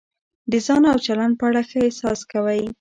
د ځان او چلند په اړه ښه احساس کوئ.